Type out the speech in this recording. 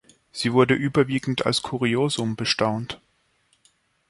Sie wurde überwiegend als Kuriosum bestaunt.